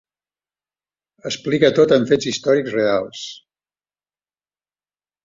Explica tot amb fets històrics reals.